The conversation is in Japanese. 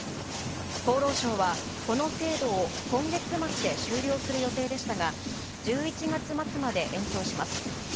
厚労省は、この制度を今月末で終了する予定でしたが、１１月末まで延長します。